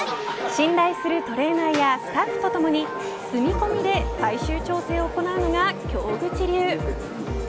信頼するトレーナーやスタッフとともに住み込みで最終調整を行うのが京口流。